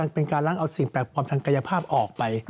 เป็นการล้างเอาสิ่งแปลกปลอมทางกายภาพออกไป